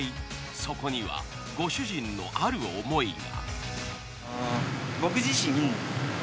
そこにはご主人のある想いが。